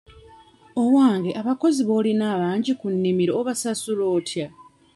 Owange abakozi b'olina abangi ku nnimiro obasasula otya?